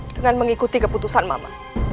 dengan mengikuti keputusan mama